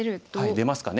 出ますかね。